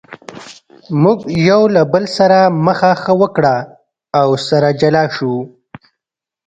موږ یو له بل سره مخه ښه وکړه او سره جلا شوو.